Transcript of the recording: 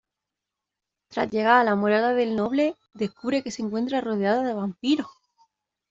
Tras llegar a la morada del noble, descubre que se encuentra rodeado de vampiros.